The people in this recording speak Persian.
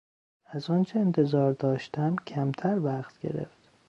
از آنچه انتظار داشتم کمتر وقت گرفت.